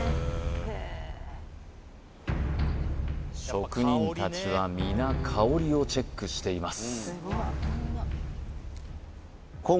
職人たちは皆香りをチェックしています